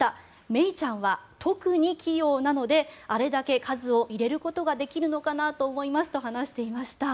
メイちゃんは特に器用なのであれだけ数を入れることができるのかなと思いますと話していました。